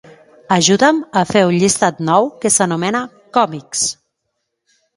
Ajuda'm a fer un llistat nou que s'anomena "còmics".